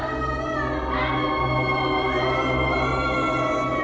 saya jatuh bersini